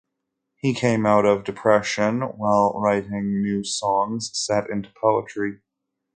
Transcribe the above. He came out of depression while writing new songs set into poetry.